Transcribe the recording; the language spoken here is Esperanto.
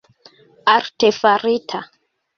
artefarita